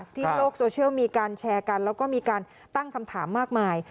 โลกโซเชียลมีการแชร์กันแล้วก็มีการตั้งคำถามมากมาย